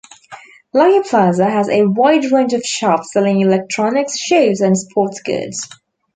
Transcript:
Lucky Plaza has a wide range of shops selling electronics, shoes and sports goods.